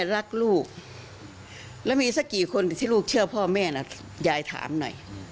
รักลูกแล้วมีสักกี่คนที่ลูกเชื่อพ่อแม่นะยายถามหน่อย